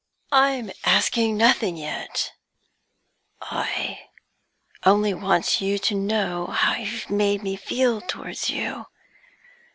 'I'm asking nothing yet; I only want you to know how you've made me feel towards you.